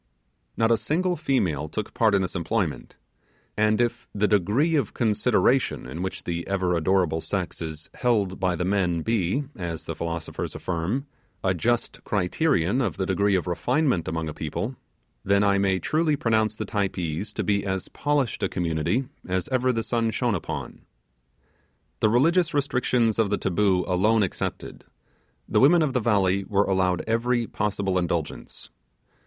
Not a single female took part in this employment: and if the degree of consideration in which the ever adorable sex is held by the men be as the philosophers affirm a just criterion of the degree of refinement among a people, then I may truly pronounce the Typees to be as polished a community as ever the sun shone upon. The religious restrictions of the taboo alone excepted, the women of the valley were allowed every possible indulgence.